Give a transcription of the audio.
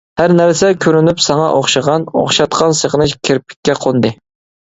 ھەر نەرسە كۆرۈنۈپ ساڭا ئوخشىغان، ئوخشاتقان سېغىنىش كىرپىككە قوندى.